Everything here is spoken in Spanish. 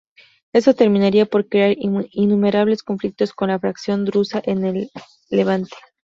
Esto terminaría por crear innumerables conflictos con la fracción drusa en el Levante.